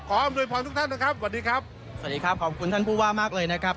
อำนวยพรทุกท่านนะครับสวัสดีครับสวัสดีครับขอบคุณท่านผู้ว่ามากเลยนะครับ